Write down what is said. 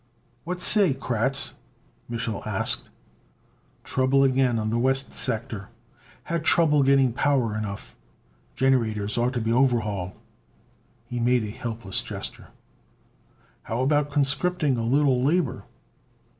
"What say, Kratz?" Mich'l asked. "Trouble again on the west sector. Had trouble getting power enough. Generators ought to be overhauled." He made a helpless gesture. "How about conscripting a little labor?"